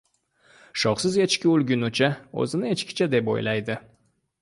• Shoxsiz echki o‘lgunicha o‘zini echkicha deb o‘ylaydi.